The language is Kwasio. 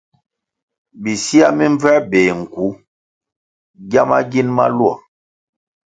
Bisiah mi mbvęr béh nku giama gin maluo.